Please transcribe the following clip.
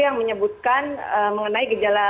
yang menyebutkan mengenai gejala